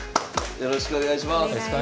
よろしくお願いします。